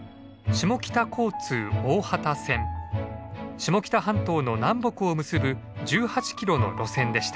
下北半島の南北を結ぶ１８キロの路線でした。